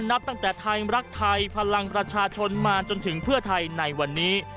นับตั้งแต่ไทยรักไทยพลังประชาชนมาจนถึงเพื่อไทยในวันนี้